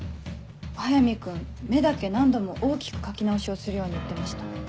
早見君目だけ何度も大きく描き直しをするように言ってました。